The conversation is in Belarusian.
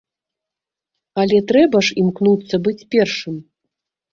Але трэба ж імкнуцца быць першым.